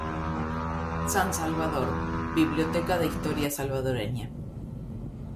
San Salvador: Biblioteca de Historia Salvadoreña.